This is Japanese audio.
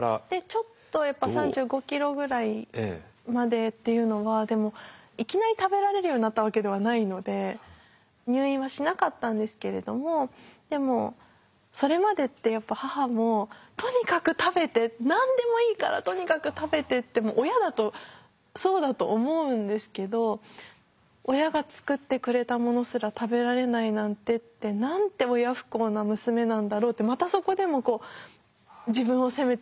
ちょっと３５ｋｇぐらいまでっていうのはでもいきなり食べられるようになったわけではないので入院はしなかったんですけれどもでもそれまでってやっぱ母もとにかく食べて何でもいいからとにかく食べてって親だとそうだと思うんですけど親が作ってくれたものすら食べられないなんてってなんて親不孝な娘なんだろうってまたそこでもこう自分を責めてしまうというか。